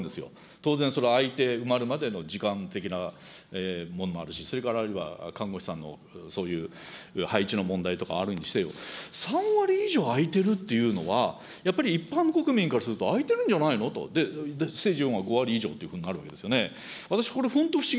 当然空いて埋まるまでの時間的なものもあるし、それからあるいは看護師さんの、そういうは医師の問題とかあるにせよ、３割以上空いてるっていうのは、やっぱり一般国民からすると、空いてるんじゃないのと、で、ステージ４は５割以上となるわけですよね。